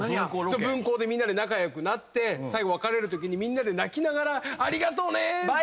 分校でみんなで仲良くなって最後別れるときにみんなで泣きながら「ありがとうね」っつったら。